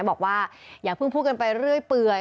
บอกว่าอย่าเพิ่งพูดกันไปเรื่อยเปื่อย